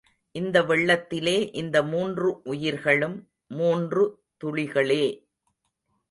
இத்தனை வெள்ளத்திலே இந்த மூன்று உயிர்களும் மூன்று துளிகளே!